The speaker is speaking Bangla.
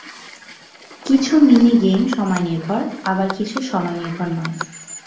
কিছু মিনি-গেম সময়নির্ভর, আবার কিছু সময়নির্ভর নয়।